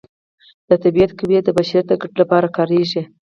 د طبیعت قوې د بشریت د ګټې لپاره کاریږي.